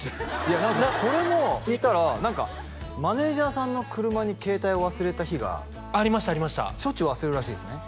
何かこれも聞いたら何かマネージャーさんの車に携帯を忘れた日がありましたありましたしょっちゅう忘れるらしいですね